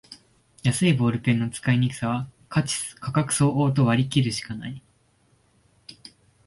安いボールペンの使いにくさは価格相応と割りきるしかない